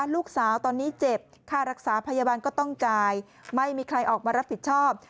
ลูกสาวตอนนี้เจ็บค่ารักษาพยาบาลก็ต้องจ่ายไม่มีใครออกมารับผิดชอบ